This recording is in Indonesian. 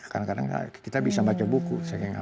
kadang kadang kita bisa baca buku